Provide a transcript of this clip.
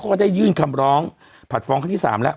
ก็ได้ยื่นคำร้องผัดฟ้องครั้งที่๓แล้ว